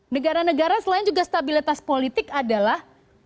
negara negara selain juga stabilitas politik adalah